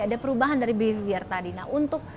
ada perubahan dari behavior tadi nah untuk